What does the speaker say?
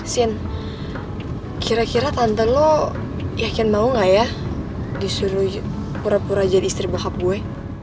sin kira kira tante lo yakin mau gak ya disuruh pura pura jadi istri bohab gue